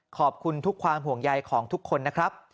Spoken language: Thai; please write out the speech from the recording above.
ขอบคุณทุกความห่วงใยของทุกคนนะครับ